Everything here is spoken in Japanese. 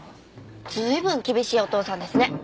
随分厳しいお父さんですね。